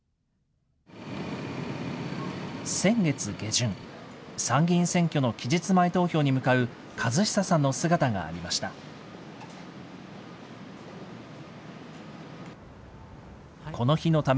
先月下旬、参議院選挙の期日前投票に向かう和久さんの姿がありました。